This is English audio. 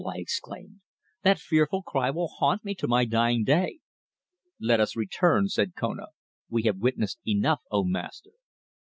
I exclaimed. "That fearful cry will haunt me to my dying day." "Let us return," said Kona. "We have witnessed enough, O Master."